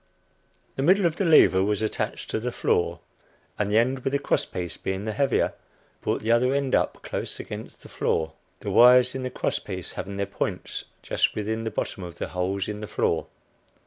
The middle of the lever was attached to the floor, and the end with the cross piece, being the heavier, brought the other end close up against the floor, the wires in the cross piece having their points just within the bottom of the holes in the floor.